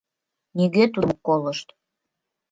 Нигӧ тудым ок колышт.